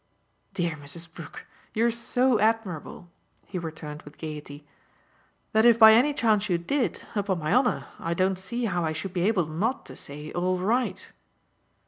"Dear Mrs. Brook, you're so admirable," he returned with gaiety, "that if by any chance you did, upon my honour, I don't see how I should be able not to say 'All right.